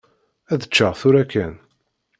Ad ččeɣ tura kan.